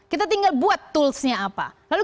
kita tinggal buat toolsnya apa lalu